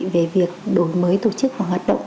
về việc đổi mới tổ chức và hoạt động